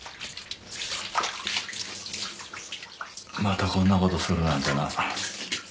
またこんなことするなんてな。